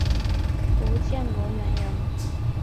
福建罗源人。